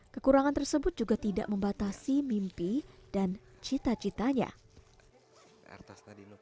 kekurangan tersebut juga tidak membatasi mimpi dan cita citanya